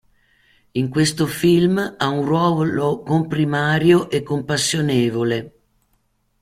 In questo film ha un ruolo comprimario e compassionevole.